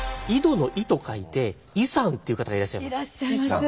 井戸の「井」と書いて井さんっていう方がいらっしゃいます。